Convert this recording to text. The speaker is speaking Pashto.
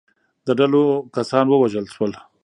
د ډلو کسان ووژل شول.